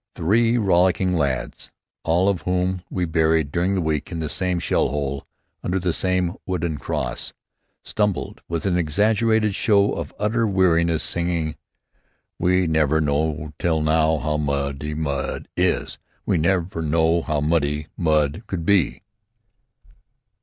Three rollicking lads, all of whom we buried during the week in the same shell hole under the same wooden cross, stumbled with an exaggerated show of utter weariness singing, "We never knew till now how muddy mud is, We never knew how muddy mud could be."